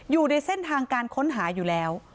อยู่ในเส้นทางการค้นหาอยู่แล้ว